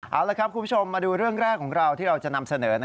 เอาละครับคุณผู้ชมมาดูเรื่องแรกของเราที่เราจะนำเสนอ